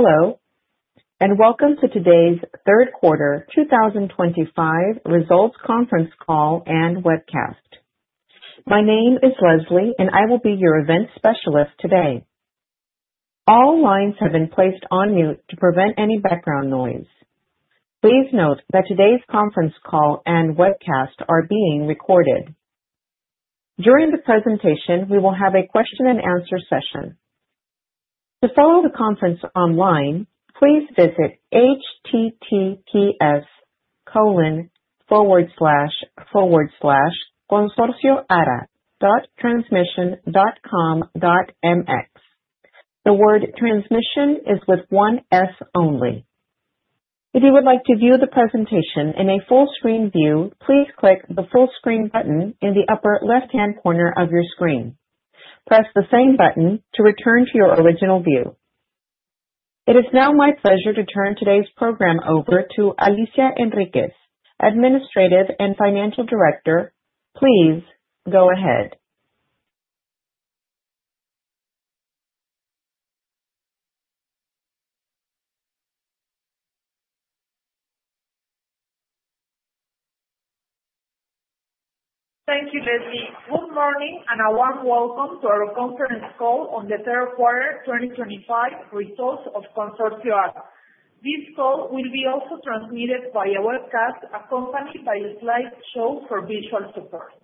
Hello, and welcome to today's third quarter 2025 results conference call and webcast. My name is Leslie, and I will be your event specialist today. All lines have been placed on mute to prevent any background noise. Please note that today's conference call and webcast are being recorded. During the presentation, we will have a question-and-answer session. To follow the conference online, please visit https://consorcioara.transmision.com.mx. The word "transmision" is with one S only. If you would like to view the presentation in a full-screen view, please click the full-screen button in the upper left-hand corner of your screen. Press the same button to return to your original view. It is now my pleasure to turn today's program over to Alicia Enríquez, Administrative and Financial Director. Please go ahead. Thank you, Leslie. Good morning and a warm welcome to our conference call on the third quarter 2025 results of Consorcio Ara. This call will be also transmitted via webcast, accompanied by a slideshow for visual support.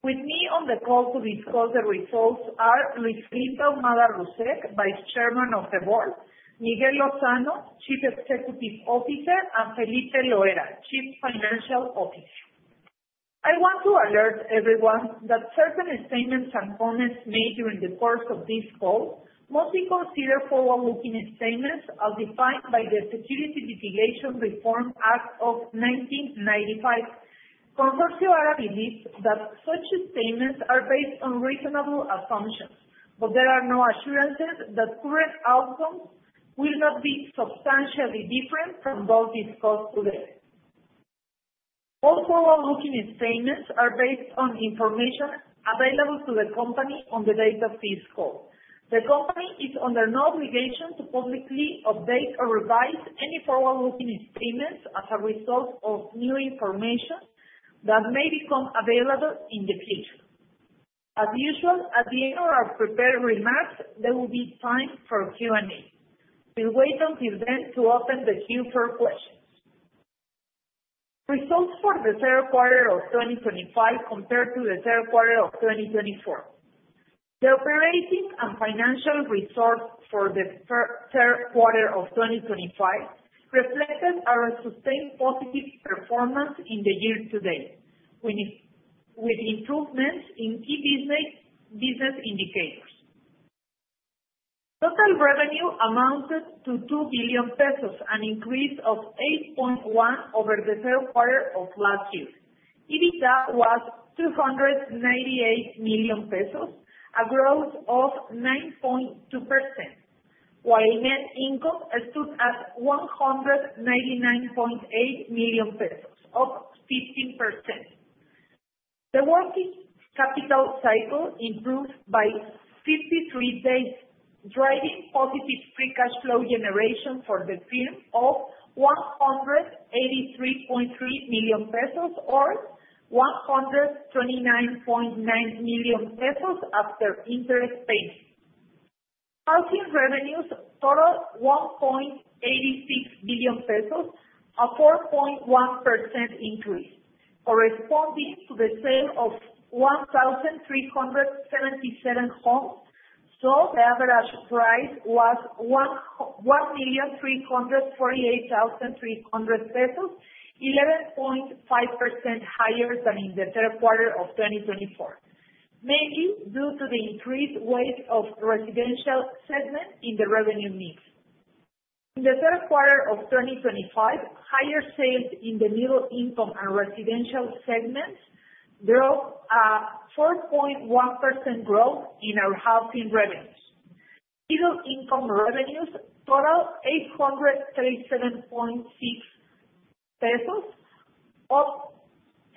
With me on the call to discuss the results are Luis Felipe Ahumada Russek, Vice Chairman of the Board, Miguel Lozano, Chief Executive Officer, and Felipe Loera, Chief Financial Officer. I want to alert everyone that certain statements and comments made during the course of this call must be considered forward-looking statements as defined by the Securities Litigation Reform Act of 1995. Consorcio Ara believes that such statements are based on reasonable assumptions, but there are no assurances that current outcomes will not be substantially different from those discussed today. All forward-looking statements are based on information available to the company on the date of this call. The company is under no obligation to publicly update or revise any forward-looking statements as a result of new information that may become available in the future. As usual, at the end of our prepared remarks, there will be time for Q&A. We'll wait until then to open the queue for questions. Results for the third quarter of 2025 compared to the third quarter of 2024. The operating and financial results for the third quarter of 2025 reflected our sustained positive performance in the year to date, with improvements in key business indicators. Total revenue amounted to 2 billion pesos, an increase of 8.1% over the third quarter of last year. EBITDA was 298 million pesos, a growth of 9.2%, while net income stood at 199.8 million pesos, up 15%. The working capital cycle improved by 53 days, driving positive free cash flow generation for the firm of 183.3 million pesos, or 129.9 million pesos after interest payments. Housing revenues totaled 1.86 billion pesos, a 4.1% increase, corresponding to the sale of 1,377 homes. So, the average price was 1,348,300 pesos, 11.5% higher than in the third quarter of 2024, mainly due to the increased weight of residential segment in the revenue mix. In the third quarter of 2025, higher sales in the middle-income and residential segments drove a 4.1% growth in our housing revenues. Middle-income revenues totaled 837.6 pesos, up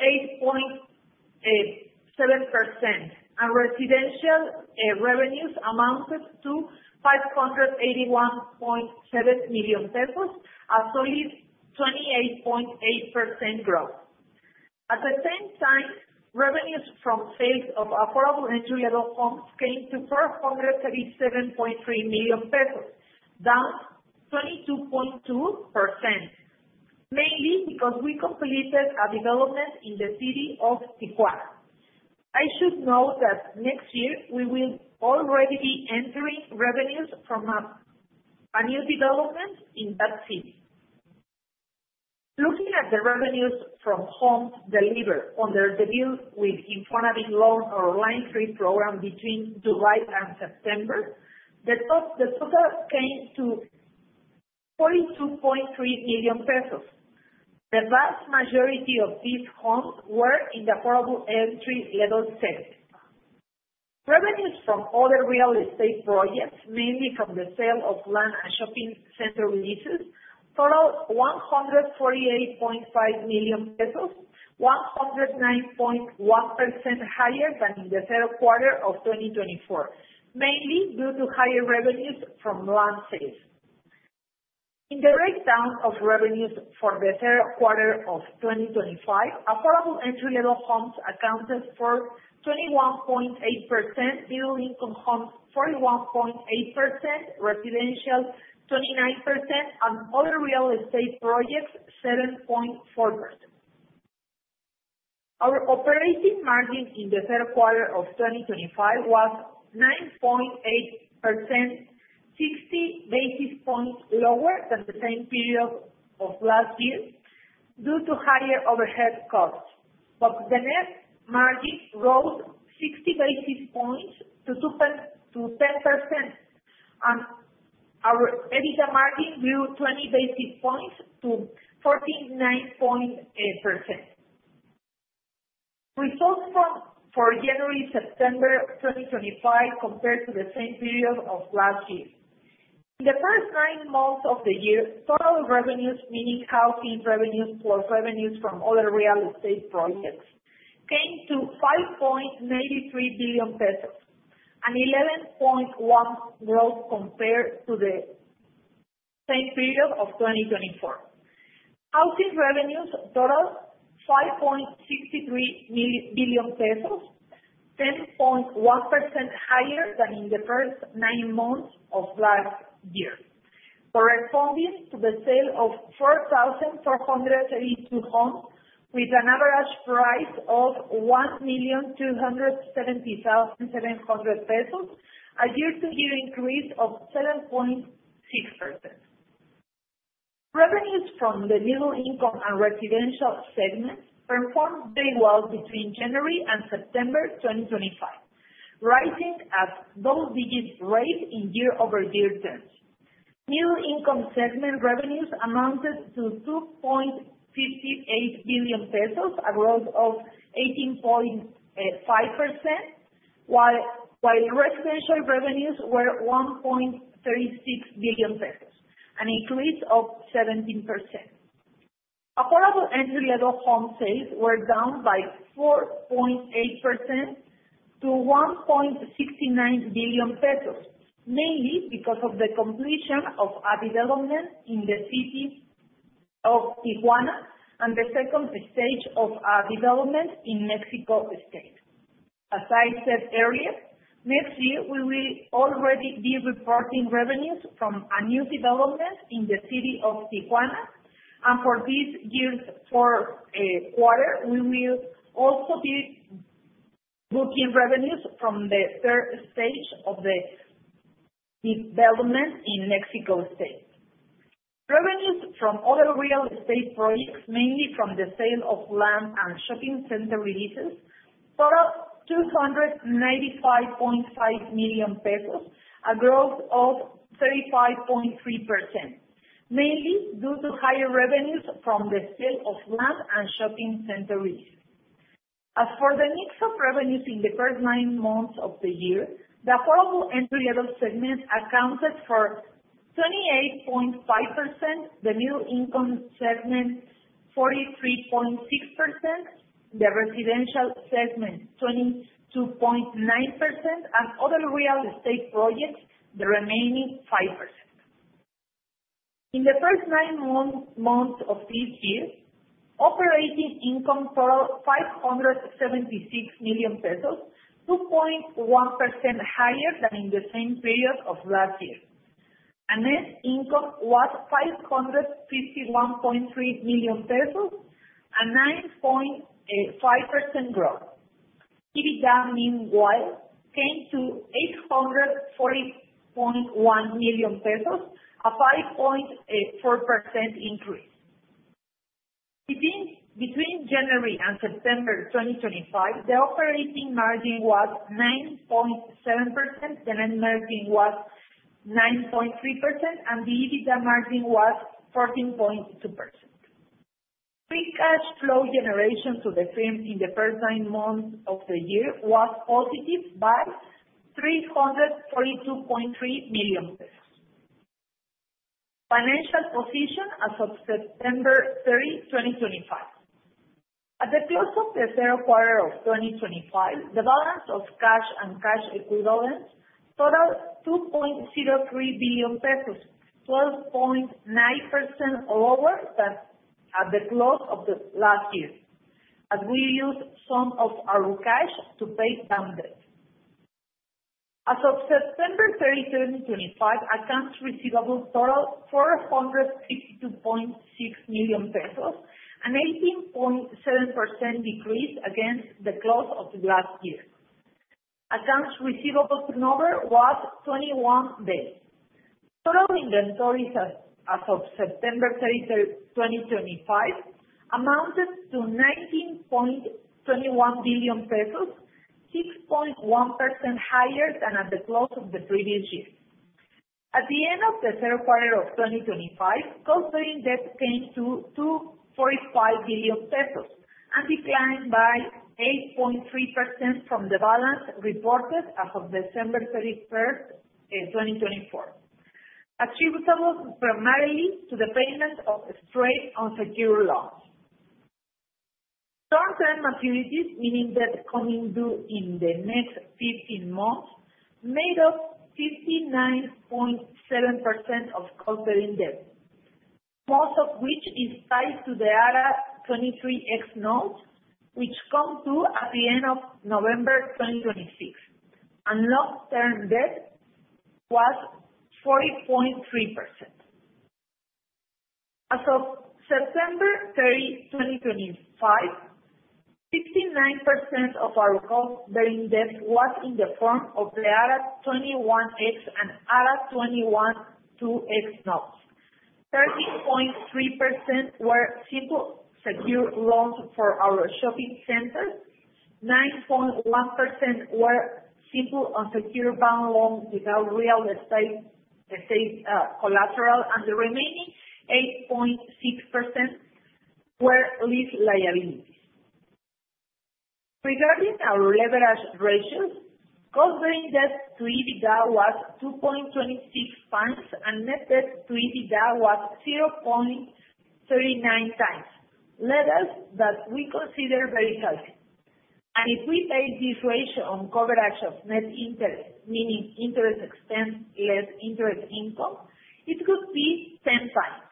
8.7%, and residential revenues amounted to 581.7 million pesos, a solid 28.8% growth. At the same time, revenues from sales of affordable entry-level homes came to 437.3 million pesos, down 22.2%, mainly because we completed a development in the city of Tijuana. I should note that next year we will already be entering revenues from a new development in that city. Looking at the revenues from homes delivered under the deal with Infonavit loan or Line III program between July and September, the total came to 42.3 million pesos. The vast majority of these homes were in the affordable entry-level segment. Revenues from other real estate projects, mainly from the sale of land and shopping center leases, totaled MXN 148.5 million, 109.1% higher than in the third quarter of 2024, mainly due to higher revenues from land sales. In the breakdown of revenues for the third quarter of 2025, affordable entry-level homes accounted for 21.8%, middle-income homes 41.8%, residential 29%, and other real estate projects 7.4%. Our operating margin in the third quarter of 2025 was 9.8%, 60 basis points lower than the same period of last year due to higher overhead costs. But the net margin rose 60 basis points to 10%, and our EBITDA margin grew 20 basis points to 49.8%. Results for January-September 2025 compared to the same period of last year. In the first nine months of the year, total revenues, meaning housing revenues plus revenues from other real estate projects, came to 5.93 billion pesos, an 11.1% growth compared to the same period of 2024. Housing revenues totaled 5.63 billion pesos, 10.1% higher than in the first nine months of last year, corresponding to the sale of 4,432 homes with an average price of 1,270,700 pesos, a year-to-year increase of 7.6%. Revenues from the middle-income and residential segment performed very well between January and September 2025, rising at double-digit rates in year-over-year terms. Middle-income segment revenues amounted to 2.58 billion pesos, a growth of 18.5%, while residential revenues were 1.36 billion pesos, an increase of 17%. Affordable entry-level home sales were down by 4.8% to 1.69 billion pesos, mainly because of the completion of a development in the city of Tijuana and the second stage of a development in Mexico State. As I said earlier, next year we will already be reporting revenues from a new development in the city of Tijuana, and for this year's fourth quarter, we will also be booking revenues from the third stage of the development in Mexico State. Revenues from other real estate projects, mainly from the sale of land and shopping center leases, totaled MXN 295.5 million, a growth of 35.3%, mainly due to higher revenues from the sale of land and shopping center leases. As for the mix of revenues in the first nine months of the year, the affordable entry-level segment accounted for 28.5%, the middle-income segment 43.6%, the residential segment 22.9%, and other real estate projects the remaining 5%. In the first nine months of this year, operating income totaled 576 million pesos, 2.1% higher than in the same period of last year. And net income was 551.3 million pesos, a 9.5% growth. EBITDA meanwhile came to 840.1 million pesos, a 5.4% increase. Between January and September 2025, the operating margin was 9.7%, the net margin was 9.3%, and the EBITDA margin was 14.2%. Free cash flow generation to the firm in the first nine months of the year was positive by 342.3 million. Financial position as of September 30, 2025. At the close of the third quarter of 2025, the balance of cash and cash equivalents totaled MXN 2.03 billion, 12.9% lower than at the close of last year, as we used some of our cash to pay down debt. As of September 30, 2025, accounts receivable totaled 452.6 million pesos, an 18.7% decrease against the close of last year. Accounts receivable turnover was 21 days. Total inventories as of September 30, 2025, amounted to 19.21 billion pesos, 6.1% higher than at the close of the previous year. At the end of the third quarter of 2025, cost-bearing debt came to 2.45 billion pesos and declined by 8.3% from the balance reported as of December 31, 2024, attributable primarily to the payment of simple unsecured loans. Long-term maturities, meaning debt coming due in the next 15 months, made up 59.7% of cost-bearing debt, most of which is tied to the ARA 23X notes, which come due at the end of November 2026, and long-term debt was 40.3%. As of September 30, 2025, 69% of our cost-bearing debt was in the form of the ARA 21X and ARA 21-2 notes. 13.3% were simple secured loans for our shopping centers, 9.1% were simple unsecured bank loans without real estate collateral, and the remaining 8.6% were lease liabilities. Regarding our leverage ratios, cost-bearing debt to EBITDA was 2.26 times, and net debt to EBITDA was 0.39 times, levels that we consider very healthy. And if we take this ratio on coverage of net interest, meaning interest expense less interest income, it could be 10 times.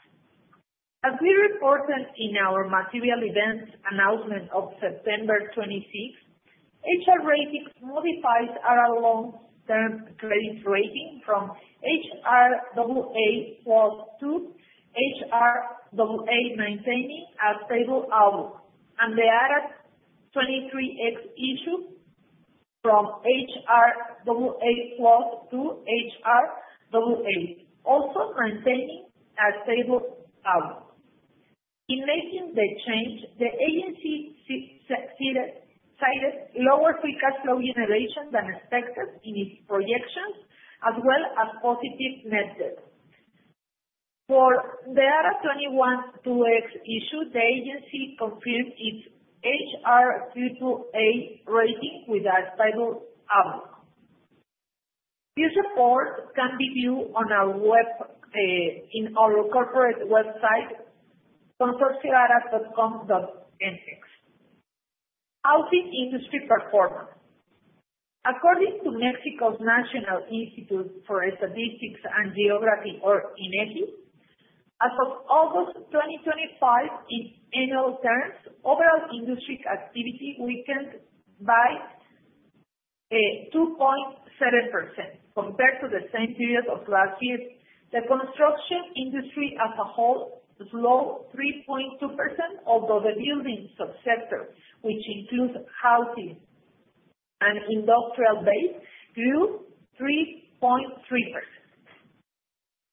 As we reported in our material event announcement of September 26, HR Ratings modifies our long-term credit rating from HRAA+ to HRAA, maintaining a stable outlook, and the ARA 23X issue from HRAA+ to HRAA, also maintaining a stable outlook. In making the change, the agency cited lower free cash flow generation than expected in its projections, as well as positive net debt. For the ARA 21-2 issue, the agency confirmed its HRAA rating with a stable outlook. This report can be viewed on our corporate website, consorcioara.com.mx. Housing industry performance. According to Mexico's National Institute for Statistics and Geography, or INEGI, as of August 2025, in annual terms, overall industry activity weakened by 2.7% compared to the same period of last year. The construction industry as a whole slowed 3.2%, although the building subsector, which includes housing and industrial-based, grew 3.3%.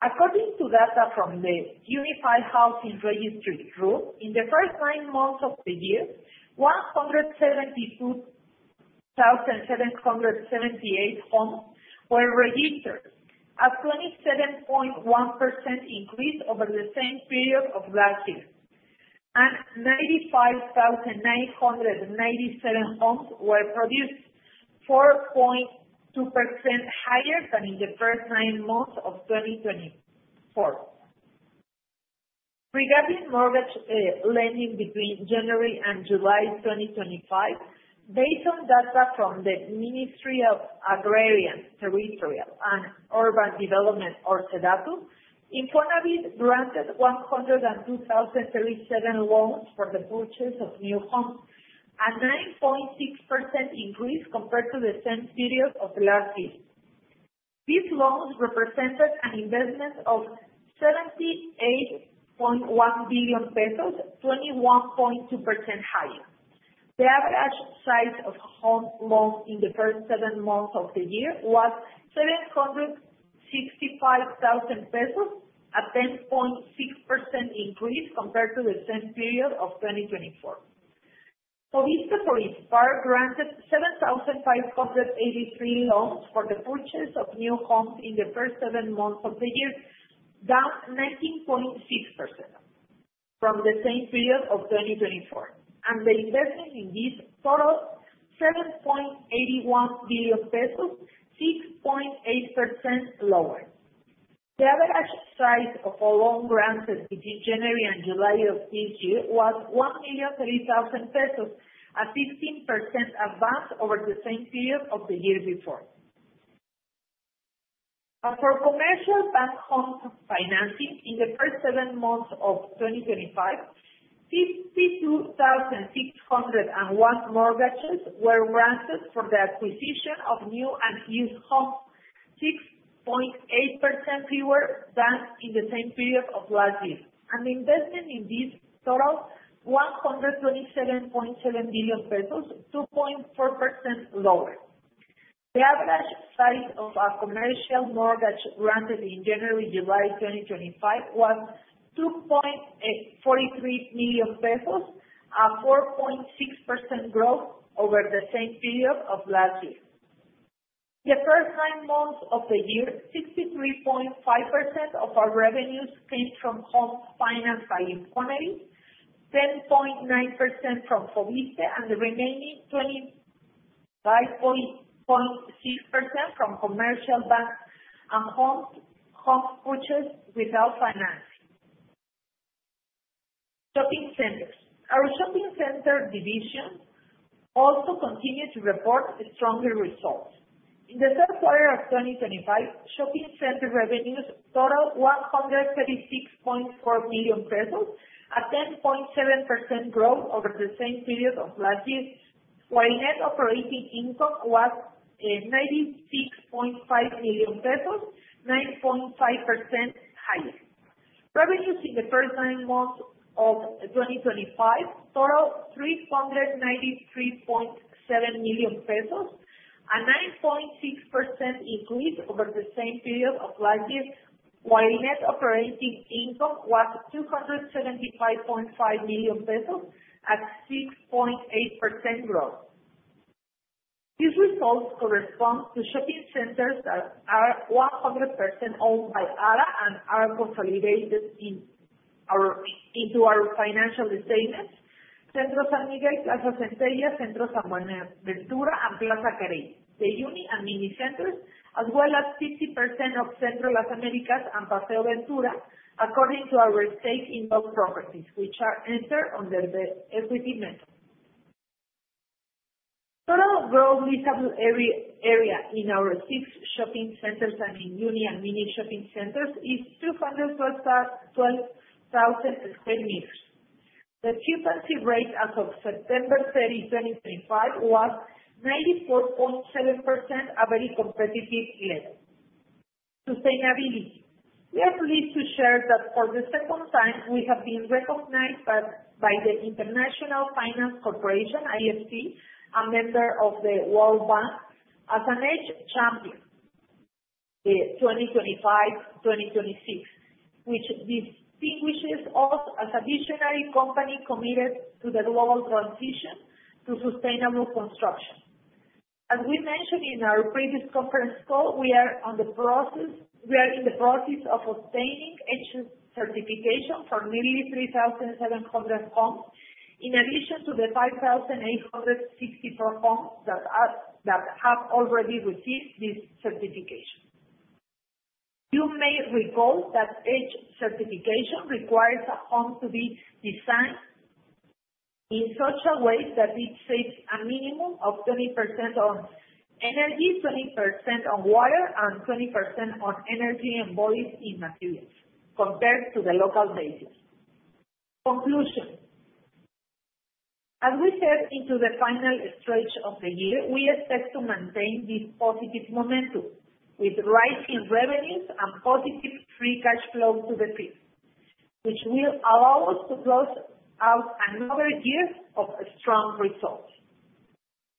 According to data from the Unified Housing Registry, in the first nine months of the year, 172,778 homes were registered, a 27.1% increase over the same period of last year, and 95,997 homes were produced, 4.2% higher than in the first nine months of 2024. Regarding mortgage lending between January and July 2025, based on data from the Ministry of Agrarian, Territorial, and Urban Development, or SEDATU, Infonavit granted 102,037 loans for the purchase of new homes, a 9.6% increase compared to the same period of last year. These loans represented an investment of 78.1 billion pesos, 21.2% higher. The average size of home loans in the first seven months of the year was 765,000 pesos, a 10.6% increase compared to the same period of 2024. Fovissste for ISSSTE granted 7,583 loans for the purchase of new homes in the first seven months of the year, down 19.6% from the same period of 2024, and the investment in these totaled 7.81 billion pesos, 6.8% lower. The average size of all loans granted between January and July of this year was 1,003,000 pesos, a 15% advance over the same period of the year before. As for commercial bank home financing, in the first seven months of 2025, 52,601 mortgages were granted for the acquisition of new and used homes, 6.8% fewer than in the same period of last year, and the investment in these totaled 127.7 billion pesos, 2.4% lower. The average size of a commercial mortgage granted in January-July 2025 was 2.43 million pesos, a 4.6% growth over the same period of last year. The first nine months of the year, 63.5% of our revenues came from home finance by Infonavit, 10.9% from Fovissste, and the remaining 25.6% from commercial bank and home purchase without financing. Shopping centers. Our shopping center division also continued to report strong results. In the third quarter of 2025, shopping center revenues totaled 136.4 million pesos, a 10.7% growth over the same period of last year, while net operating income was 96.5 million pesos, 9.5% higher. Revenues in the first nine months of 2025 totaled MXN 393.7 million, a 9.6% increase over the same period of last year, while net operating income was 275.5 million pesos, a 6.8% growth. These results correspond to shopping centers that are 100% owned by ARA and are consolidated into our financial statements. Centro San Miguel, Plaza Centella, Centro San Buenaventura, Paseo Ventura and Plaza Carey, the Unicentros and Minicentros, as well as 50% of Centro Las Américas and Paseo Ventura, non-consolidated properties, which are entered under the equity method. Total gross leasable area in our six shopping centers and the Unicentros and Minicentros is 212,000 square meters. The occupancy rate as of September 30, 2025, was 94.7%, a very competitive level. Sustainability. We are pleased to share that for the second time, we have been recognized by the International Finance Corporation, IFC, a member of the World Bank, as an EDGE Champion 2025-2026, which distinguishes us as a visionary company committed to the global transition to sustainable construction. As we mentioned in our previous conference call, we are in the process of obtaining EDGE Certification for nearly 3,700 homes, in addition to the 5,864 homes that have already received this certification. You may recall that EDGE Certification requires a home to be designed in such a way that it saves a minimum of 20% on energy, 20% on water, and 20% on energy and embodied materials compared to the local baseline. As we head into the final stretch of the year, we expect to maintain this positive momentum with rising revenues and positive free cash flow to the firm, which will allow us to close out another year of strong results.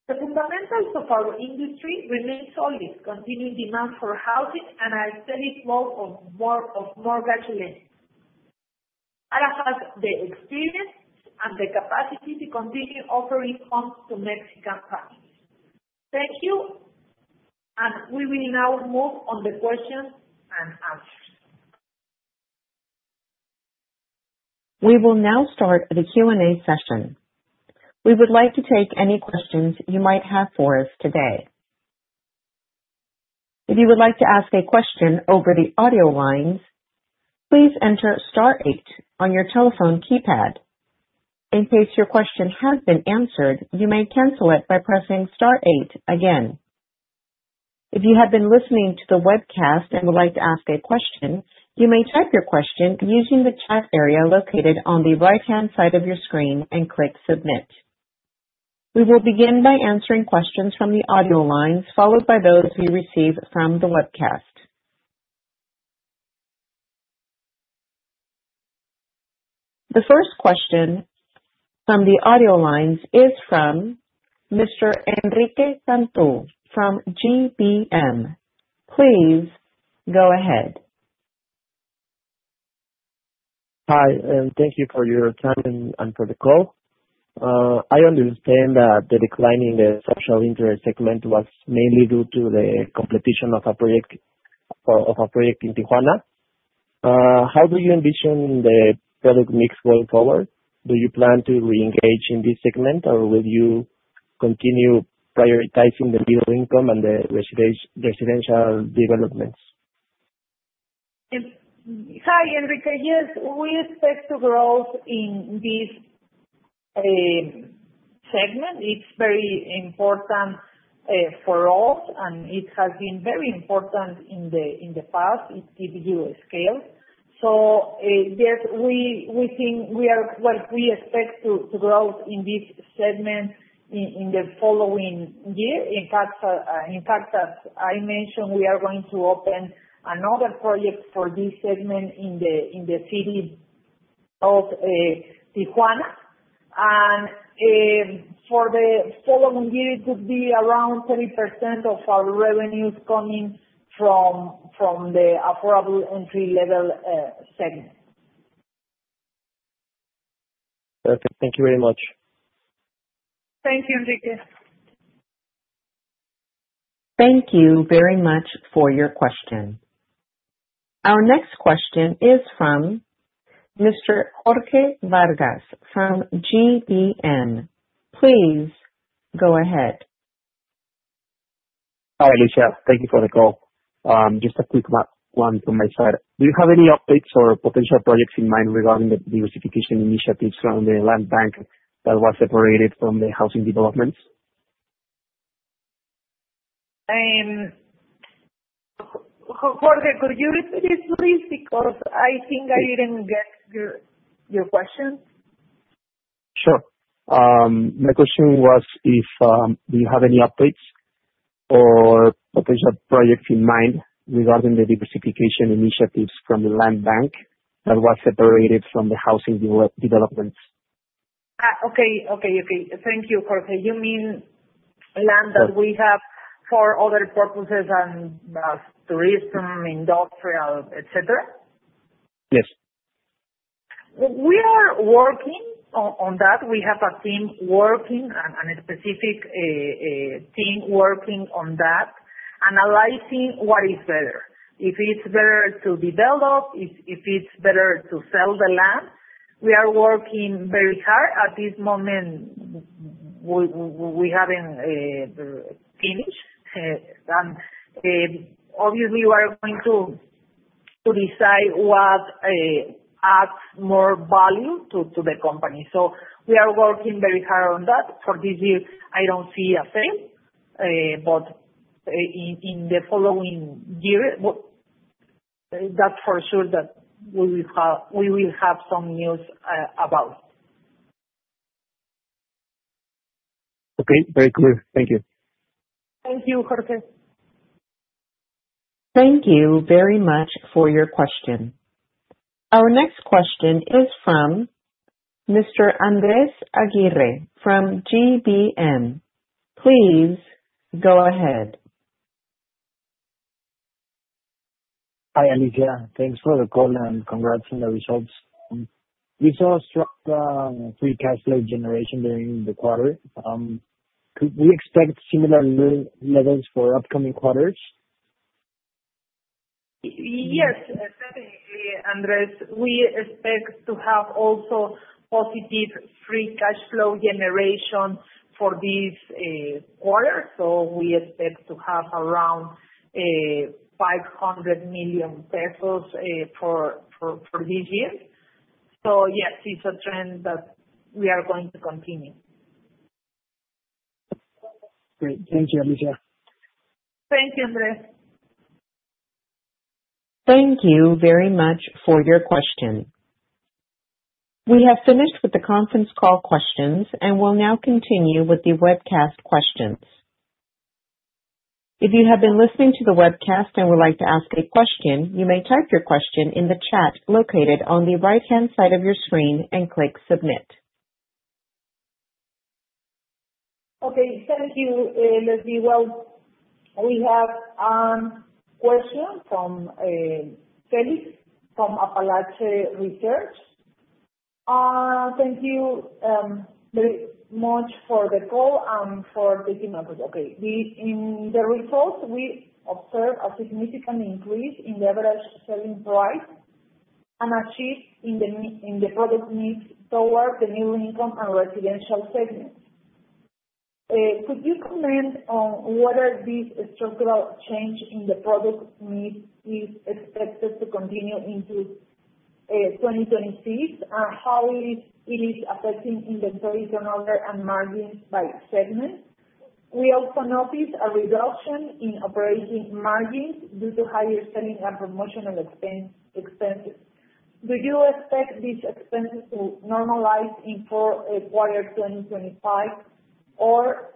The fundamentals of our industry remain solid, continued demand for housing, and a steady flow of mortgage lending. ARA has the experience and the capacity to continue offering homes to Mexican families. Thank you, and we will now move on to the questions and answers. We will now start the Q&A session. We would like to take any questions you might have for us today. If you would like to ask a question over the audio lines, please enter star eight on your telephone keypad. In case your question has been answered, you may cancel it by pressing star eight again. If you have been listening to the webcast and would like to ask a question, you may type your question using the chat area located on the right-hand side of your screen and click Submit. We will begin by answering questions from the audio lines, followed by those we receive from the webcast. The first question from the audio lines is from Mr. Enrique Cantú from GBM. Please go ahead. Hi, and thank you for your time and for the call. I understand that the decline in the social interest segment was mainly due to the completion of a project in Tijuana. How do you envision the product mix going forward? Do you plan to reengage in this segment, or will you continue prioritizing the middle income and the residential developments? Hi, Enrique. Yes, we expect to grow in this segment. It's very important for us, and it has been very important in the past. It gives you a scale. So yes, we think we are well, we expect to grow in this segment in the following year. In fact, as I mentioned, we are going to open another project for this segment in the city of Tijuana. And for the following year, it would be around 30% of our revenues coming from the affordable entry-level segment. Perfect. Thank you very much. Thank you, Enrique. Thank you very much for your question. Our next question is from Mr. Jorge Vargas from GBM. Please go ahead. Hi, Alicia. Thank you for the call. Just a quick one from my side. Do you have any updates or potential projects in mind regarding the diversification initiatives around the land bank that was separated from the housing developments? Jorge, could you repeat it, please? Because I think I didn't get your question. Sure. My question was if you have any updates or potential projects in mind regarding the diversification initiatives from the land bank that was separated from the housing developments. Okay, okay, okay. Thank you, Jorge. You mean land that we have for other purposes and tourism, industrial, etc.? Yes. We are working on that. We have a team working, a specific team working on that, analyzing what is better. If it's better to develop, if it's better to sell the land, we are working very hard. At this moment, we haven't finished. And obviously, we are going to decide what adds more value to the company. So we are working very hard on that. For this year, I don't see a sale. But in the following year, that's for sure that we will have some news about. Okay, very clear. Thank you. Thank you, Jorge. Thank you very much for your question. Our next question is from Mr. Andrés Aguirre from GBM. Please go ahead. Hi, Alicia. Thanks for the call and congrats on the results. We saw a strong free cash flow generation during the quarter. We expect similar levels for upcoming quarters? Yes, definitely, Andrés. We expect to have also positive free cash flow generation for this quarter. So we expect to have around 500 million pesos for this year. So yes, it's a trend that we are going to continue. Great. Thank you, Alicia. Thank you, Andrés. Thank you very much for your question. We have finished with the conference call questions, and we'll now continue with the webcast questions. If you have been listening to the webcast and would like to ask a question, you may type your question in the chat located on the right-hand side of your screen and click Submit. Okay, thank you, Leslie. Well, we have a question from Félix from Apalache Research. Thank you very much for the call and for taking my question. Okay. In the results, we observed a significant increase in the average selling price and a shift in the product needs toward the middle income and residential segment. Could you comment on whether this structural change in the product needs is expected to continue into 2026 and how it is affecting inventory turnover and margins by segment? We also noticed a reduction in operating margins due to higher selling and promotional expenses. Do you expect these expenses to normalize in quarter 2025, or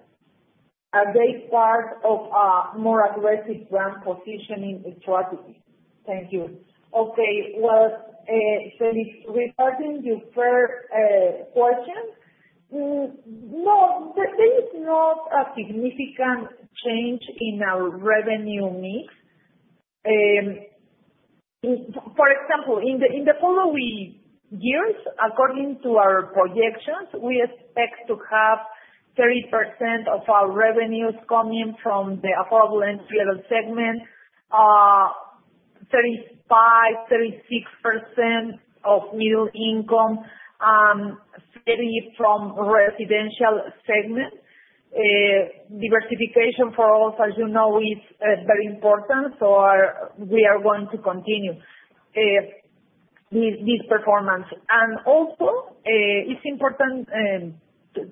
are they part of a more aggressive brand positioning strategy? Thank you. Okay. Well, Félix, regarding your first question, no, there is not a significant change in our revenue mix. For example, in the following years, according to our projections, we expect to have 30% of our revenues coming from the affordable entry-level segment, 35%-36% of middle income, 30% from residential segment. Diversification, for us, as you know, is very important, so we are going to continue this performance. And also, it's important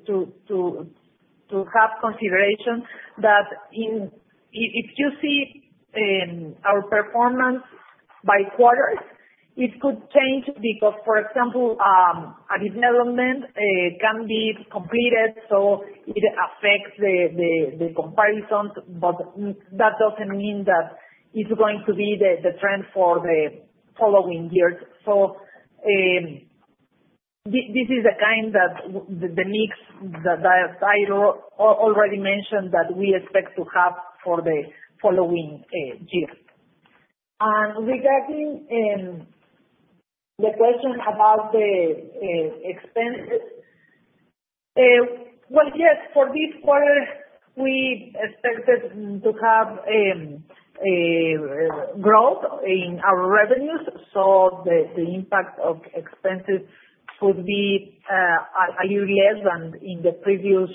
to have consideration that if you see our performance by quarters, it could change because, for example, a development can be completed, so it affects the comparison, but that doesn't mean that it's going to be the trend for the following years. So this is the kind of mix that I already mentioned that we expect to have for the following year, and regarding the question about the expenses, well, yes, for this quarter, we expected to have growth in our revenues, so the impact of expenses could be a little less than in the previous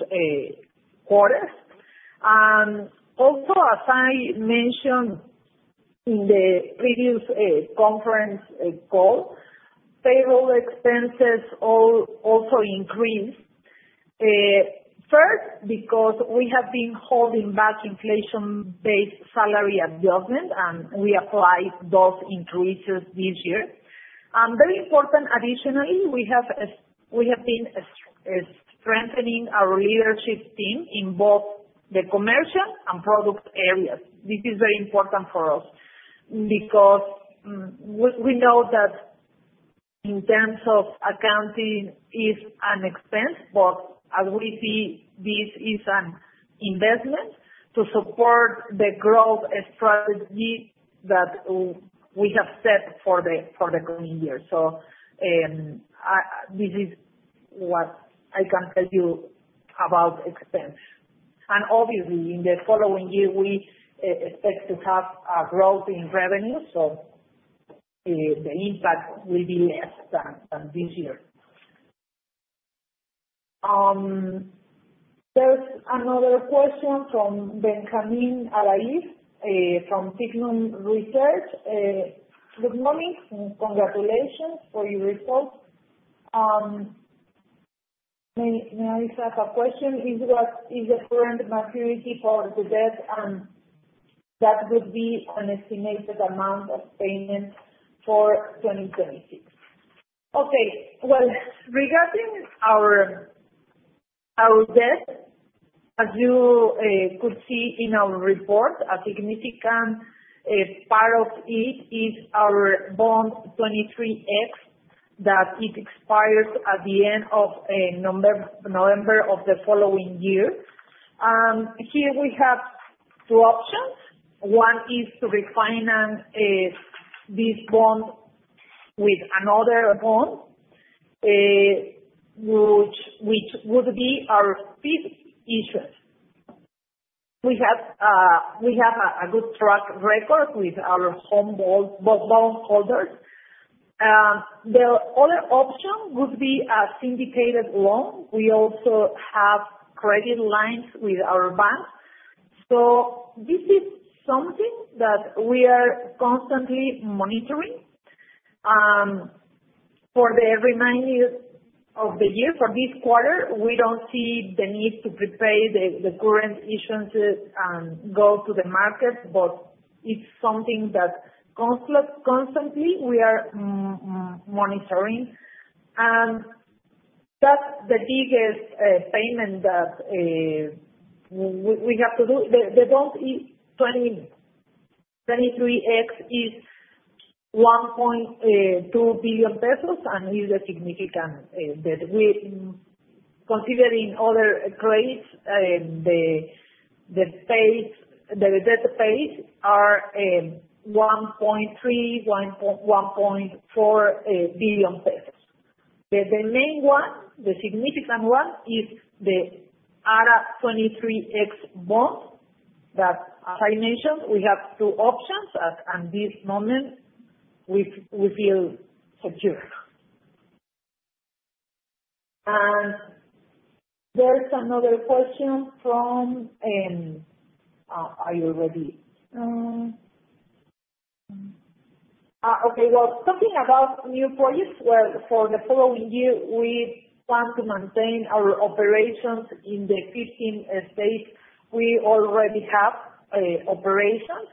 quarters, and also, as I mentioned in the previous conference call, payroll expenses also increased. First, because we have been holding back inflation-based salary adjustment, and we applied those increases this year, and very important additionally, we have been strengthening our leadership team in both the commercial and product areas. This is very important for us because we know that in terms of accounting, it's an expense, but as we see, this is an investment to support the growth strategy that we have set for the coming year. So this is what I can tell you about expense. And obviously, in the following year, we expect to have a growth in revenue, so the impact will be less than this year. There's another question from Benjamín Álvarez from CIBanco. Good morning. Congratulations for your results. May I just ask a question? Is the current maturity for the debt, and that would be an estimated amount of payment for 2026? Okay. Well, regarding our debt, as you could see in our report, a significant part of it is our ARA 23X that it expires at the end of November of the following year. And here we have two options. One is to refinance this bond with another bond, which would be our fifth issuance. We have a good track record with our bondholders. The other option would be a syndicated loan. We also have credit lines with our bank, so this is something that we are constantly monitoring. For the remainder of the year, for this quarter, we don't see the need to prepare the current issuances and go to the market, but it's something that constantly we are monitoring, and that's the biggest payment that we have to do. The ARA 23X bond is MXN 1.2 billion, and it is a significant debt. Considering other credits, the debt payments are 1.3 billion-1.4 billion pesos. The main one, the significant one, is the ARA 23X bond that, as I mentioned, we have two options, and at this moment, we feel secure, and there's another question from. Are you ready? Okay, well, talking about new projects for the following year, we plan to maintain our operations in the 15 states we already have operations.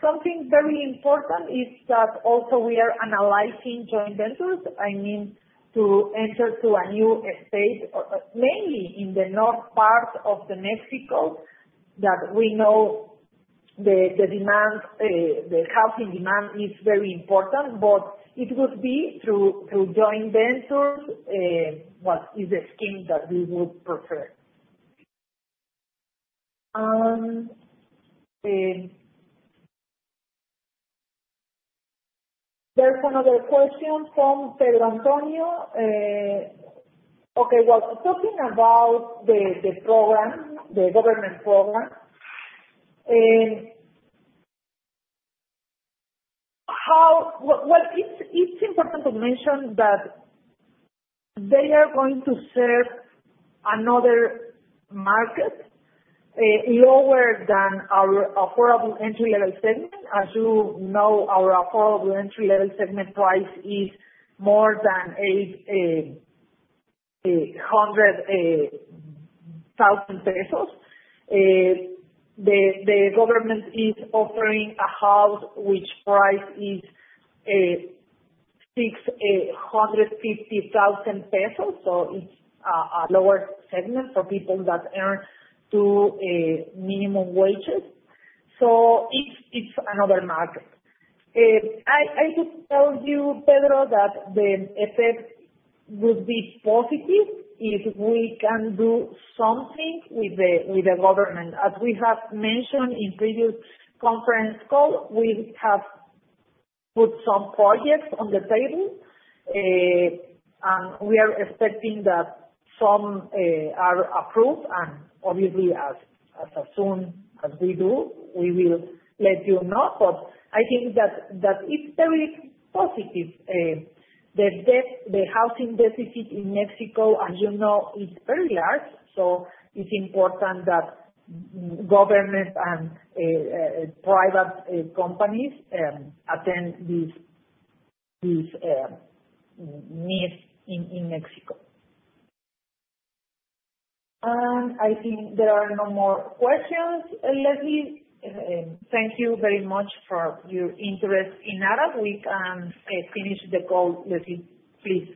Something very important is that also we are analyzing joint ventures. I mean, to enter to a new state, mainly in the north part of Mexico, that we know the housing demand is very important, but it would be through joint ventures what is the scheme that we would prefer. There's another question from Pedro Antonio. Okay. Talking about the program, the government program, well, it's important to mention that they are going to serve another market lower than our affordable entry-level segment. As you know, our affordable entry-level segment price is more than 800,000 pesos. The government is offering a house which price is 650,000 pesos, so it's a lower segment for people that earn two minimum wages. It's another market. I could tell you, Pedro, that the effect would be positive if we can do something with the government. As we have mentioned in previous conference calls, we have put some projects on the table, and we are expecting that some are approved. And obviously, as soon as we do, we will let you know. But I think that it's very positive. The housing deficit in Mexico, as you know, is very large, so it's important that government and private companies meet these needs in Mexico. And I think there are no more questions, Leslie. Thank you very much for your interest in ARA. We can finish the call. Leslie, please.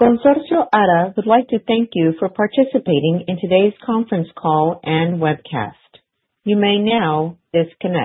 Consorcio Ara would like to thank you for participating in today's conference call and webcast. You may now disconnect.